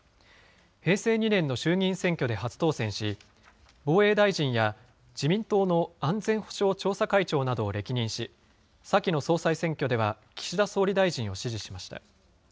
平成２年の衆議院選挙で初当選し、防衛大臣や自民党の安全保障調査会長などを歴任し、先の総裁選挙では、岸田総理大臣を支持しました。